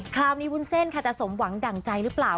คราวนี้วุ้นเซ่นค่ะจะสมหวังดั่งใจรึเปล่า